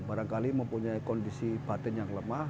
barangkali mempunyai kondisi batin yang lemah